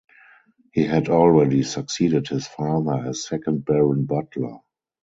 He had already succeeded his father as second Baron Butler.